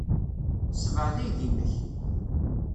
Ssebɛed aydi-nnek.